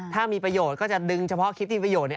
ถ้ามีประโยชน์ก็จะดึงเฉพาะคลิปที่ประโยชนเนี่ย